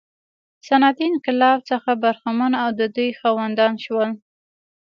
صنعتي انقلاب څخه برخمن او د ودې خاوندان شول.